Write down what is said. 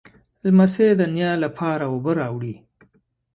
لمسی د نیا لپاره اوبه راوړي.